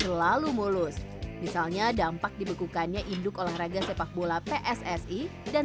di bisnis ini tidak selalu mulus misalnya dampak dibekukannya induk olahraga sepak bola pssi dan